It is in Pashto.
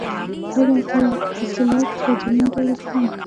وږی کې حاصلات بازارونو ته وړل کیږي.